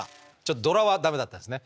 ドラはダメだったんですね。